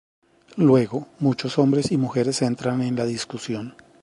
Luego muchos hombres y mujeres entran en la discusión.